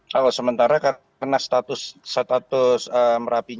kalau sementara karena status merapi